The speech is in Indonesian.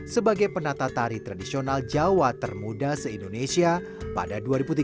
sebagai penata tari tradisional jawa termuda se indonesia pada dua ribu tiga belas